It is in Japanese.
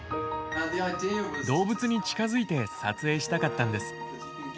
動物に近づいて撮影したかったんです。